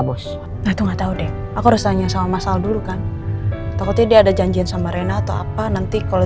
dos oitu ngerti aku tanya sama masal masuk akan akuti di ada janjin sama rena atau apa nanti kalau